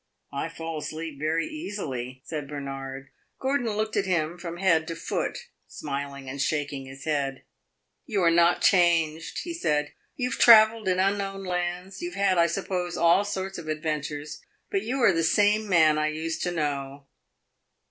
"I fall asleep very easily," said Bernard. Gordon looked at him from head to foot, smiling and shaking his head. "You are not changed," he said. "You have travelled in unknown lands; you have had, I suppose, all sorts of adventures; but you are the same man I used to know."